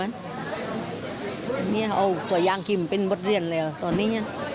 นี่เอายางคิมเป็นบทเรียนเลยตอนนี้